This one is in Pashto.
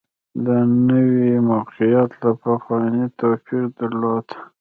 دا نوي موقعیت له پخواني توپیر درلود